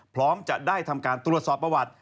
พร้อมจะได้ทำการตรวจสอบประวัติ